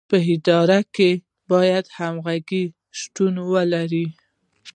په اداره کې باید همغږي شتون ولري.